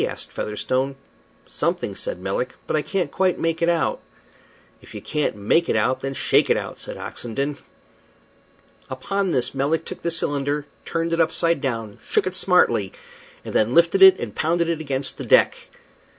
asked Featherstone. "Something," said Melick, "but I can't quite make it out." "If you can't make it out, then shake it out," said Oxenden. Upon this Melick took the cylinder, turned it upside down, shook it smartly, and then lifted it and pounded it against the deck.